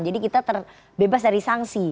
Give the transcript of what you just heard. jadi kita terbebas dari sanksi